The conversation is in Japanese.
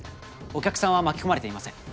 お客さんは巻き込まれていません。